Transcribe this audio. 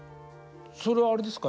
それはあれですか？